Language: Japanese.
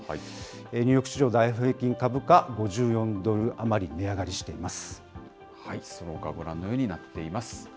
ニューヨーク市場、ダウ平均株価、そのほか、ご覧のようになっています。